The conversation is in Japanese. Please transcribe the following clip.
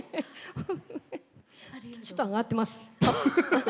フフフちょっとあがってます。